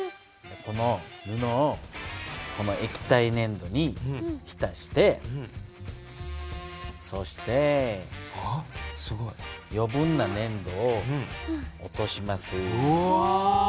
この布をこの液体ねん土にひたしてそして余分なねん土を落とします。